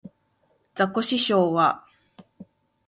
ザコシショウは